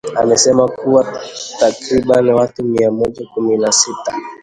amesema kuwa takriban watu mia moja kumi na sita